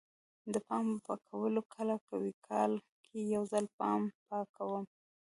د بام پاکول کله کوئ؟ کال کې یوځل بام پاکوم